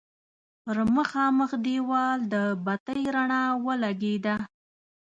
پر مخامخ دېوال د بتۍ رڼا ولګېده.